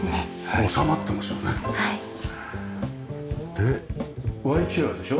でＹチェアでしょ？